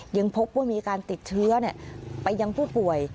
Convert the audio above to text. ยังพบว่ามีการติดเชื้อไปยังผู้ป่วย